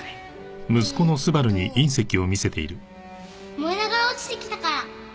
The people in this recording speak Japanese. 燃えながら落ちてきたから！